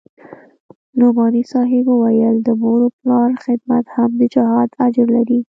نعماني صاحب وويل د مور و پلار خدمت هم د جهاد اجر لري.